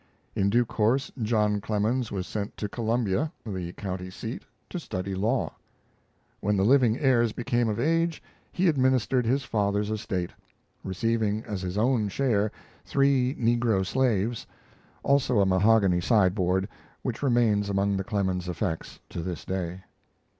In due course, John Clemens was sent to Columbia, the countyseat, to study law. When the living heirs became of age he administered his father's estate, receiving as his own share three negro slaves; also a mahogany sideboard, which remains among the Clemens effects to this day.